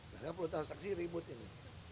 karena perusahaan taksi ribut ini